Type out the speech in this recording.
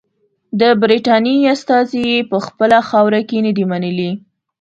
د برټانیې استازي یې په خپله خاوره کې نه دي منلي.